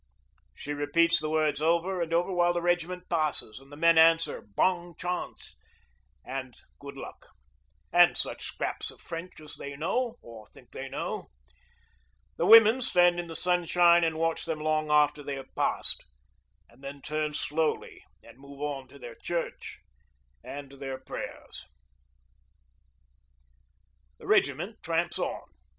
She repeats the words over and over while the regiment passes, and the men answer, 'Bong chawnse' and 'Good luck,' and such scraps of French as they know or think they know. The women stand in the sunshine and watch them long after they have passed, and then turn slowly and move on to their church and their prayers. The regiment tramps on.